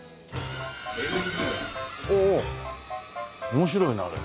面白いなあれ。